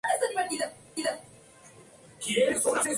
Carlos Zelaya de "Dead Press!